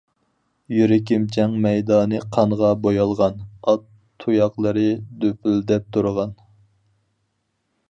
يۈرىكىم، جەڭ مەيدانى قانغا بويالغان، ئات تۇياقلىرى دۈپۈلدەپ تۇرغان.